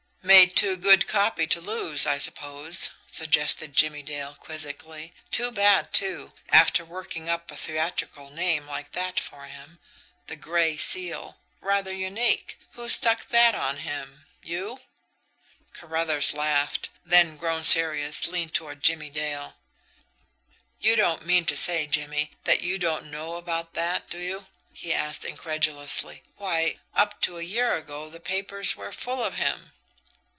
"Made too good 'copy' to lose, I suppose?" suggested Jimmie Dale quizzically. "Too bad, too, after working up a theatrical name like that for him the Gray Seal rather unique! Who stuck that on him you?" Carruthers laughed then, grown serious, leaned toward Jimmie Dale. "You don't mean to say, Jimmie, that you don't know about that, do you?" he asked incredulously. "Why, up to a year ago the papers were full of him."